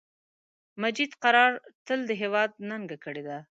مجید قرار تل د هیواد ننګه کړی ده